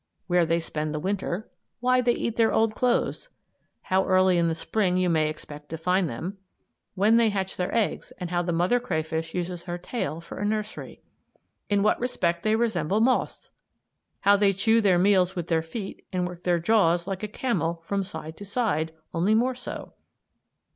Where they spend the winter. Why they eat their old clothes. How early in the spring you may expect to find them. When they hatch their eggs and how the mother crayfish uses her tail for a nursery. In what respect they resemble moths. How they chew their meals with their feet and work their jaws like a camel from side to side only more so!